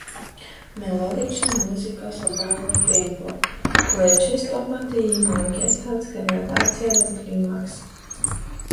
Мелодична музика со бавно темпо, која честопати има оркестарска градација до климакс.